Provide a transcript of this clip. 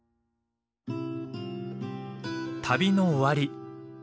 旅の終わり。